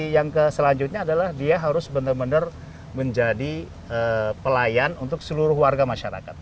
yang selanjutnya adalah dia harus benar benar menjadi pelayan untuk seluruh warga masyarakat